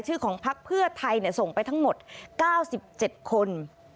ชื่อของพักเพื่อไทยส่งไปทั้งหมด๙๗คน